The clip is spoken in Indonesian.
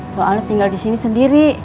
soalnya tinggal di sini sendiri